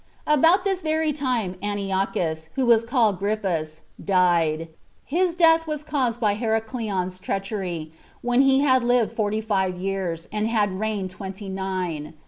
4. About this very time Antiochus, who was called Grypus, died 35 His death was caused by Heracleon's treachery, when he had lived forty five years, and had reigned twenty nine.